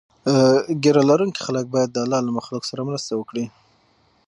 ږیره لرونکي خلک باید د الله له مخلوق سره مرسته وکړي.